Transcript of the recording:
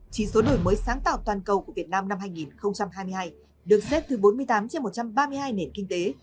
chỉ số đổi mới sáng tạo toàn cầu của việt nam năm hai nghìn hai mươi hai được xếp thứ bốn mươi tám trên một trăm ba mươi hai nền kinh tế